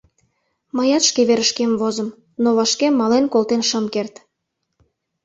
Мыят шке верышкем возым, но вашке мален колтен шым керт.